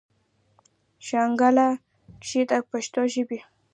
شانګله کښې د پښتو ژبې